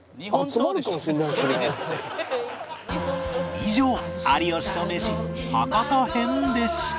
以上有吉とメシ博多編でした